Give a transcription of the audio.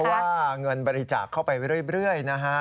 ว่าเงินบริจาคเข้าไปเรื่อยนะฮะ